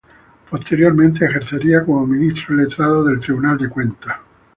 Posteriormente ejercería como ministro-letrado del Tribunal de Cuentas.